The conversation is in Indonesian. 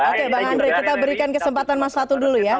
oke bang andre kita berikan kesempatan mas fatul dulu ya